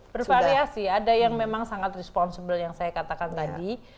bervariasi ada yang memang sangat responsibel yang saya katakan tadi